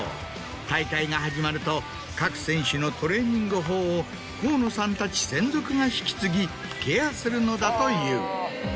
大会が始まると各選手のトレーニング法を河野さんたち専属が引き継ぎケアするのだという。